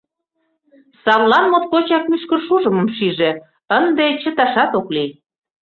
Садлан моткочак мӱшкыр шужымым шиже — ынде чыташат ок лий...